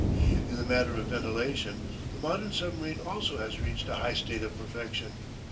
_] In the matter of ventilation the modern submarine also has reached a high state of perfection.